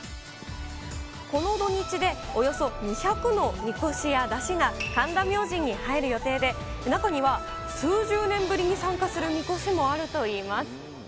この土日でおよそ２００のみこしや山車が、神田明神に入る予定で、中には数十年ぶりに参加するみこしもあるといいます。